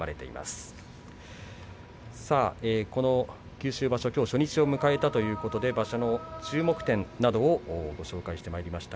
九州場所初日を迎えたということで場所の注目点などをご紹介してまいりました。